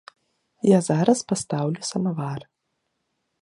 Я зараз пастаўлю самавар.